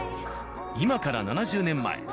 今から７０年前。